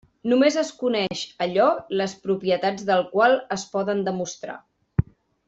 Només es coneix allò les propietats del qual es poden demostrar.